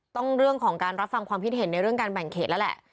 เรื่องของการรับฟังความคิดเห็นในเรื่องการแบ่งเขตแล้วแหละ